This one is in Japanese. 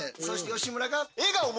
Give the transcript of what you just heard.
そして吉村が。